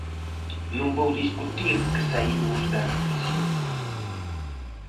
Non vou discutir que saímos da recesión.